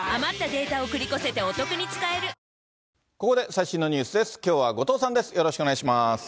ここで最新のニュースです。